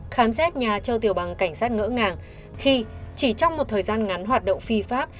khám xét nhà châu tiểu bằng cảnh sát ngỡ ngàng khi chỉ trong một thời gian ngắn hoạt động phi pháp